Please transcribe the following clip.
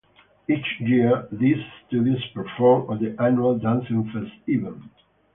Each year, these studios perform at the annual DanceFest event.